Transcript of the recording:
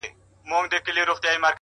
علم د جهالت تر ټولو لوی دښمن دی.